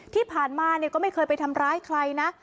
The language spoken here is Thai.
ที่ผ่านมาก็ไม่เคยไปทำร้ายใครนะ